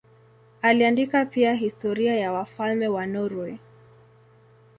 Aliandika pia historia ya wafalme wa Norwei.